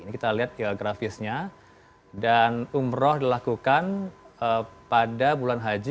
kita lihat grafisnya dan umroh dilakukan pada bulan haji